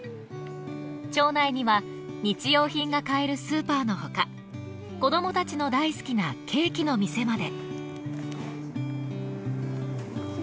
町内には日用品が買えるスーパーの他子どもたちの大好きなケーキの店まで。